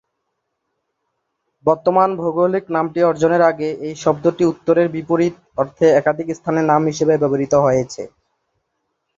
বর্তমান ভৌগোলিক নামটি অর্জনের আগে এই শব্দটি "উত্তরের বিপরীত" অর্থে একাধিক স্থানের নাম হিসাবে ব্যবহৃত হয়েছে।